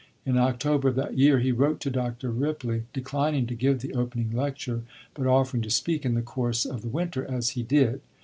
In October of that year he wrote to Dr. Ripley, declining to give the opening lecture, but offering to speak in the course of the winter, as he did.